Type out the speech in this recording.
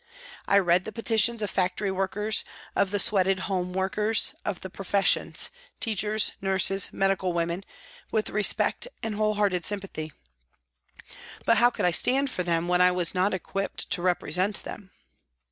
I read the petitions of factory workers, of the sweated home workers, of the professions teachers, nurses, medical women with respect and whole hearted sympathy, but how could I stand for them when I was not equipped to represent them